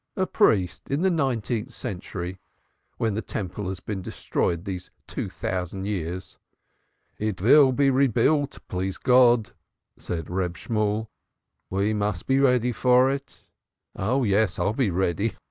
"A priest in the nineteenth century! When the Temple has been destroyed these two thousand years." "It will be rebuilt, please God," said Reb Shemuel. "We must be ready for it." "Oh yes, I'll be ready Ha!